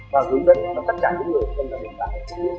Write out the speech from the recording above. và hướng dẫn cho tất cả những người không được đồng tài